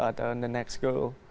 atau tujuan berikutnya